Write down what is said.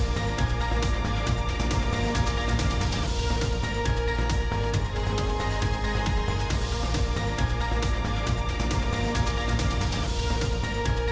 สวัสดีครับ